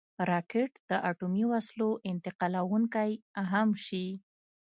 راکټ د اټومي وسلو انتقالونکی هم شي